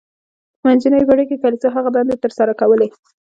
په منځنیو پیړیو کې کلیسا هغه دندې تر سره کولې.